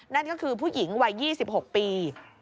นั่นก็คือผู้หญิงวัย๒๖ปี